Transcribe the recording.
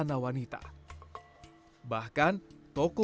produk andalannya berupa cas dan bengkel